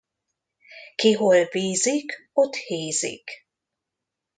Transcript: Ki hol bízik, ott hízik.